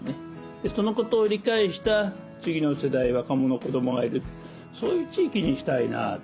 そのことを理解した次の世代若者子どもがいるそういう地域にしたいなと。